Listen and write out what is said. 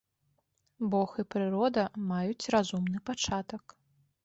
Бог і прырода маюць разумны пачатак.